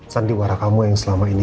sandiwara kamu yang selama ini